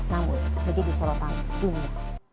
namun menjadi sorotan dunia